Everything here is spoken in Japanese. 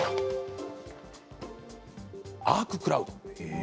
アーククラウド。